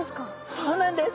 そうなんです！